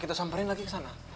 kita samperin lagi ke sana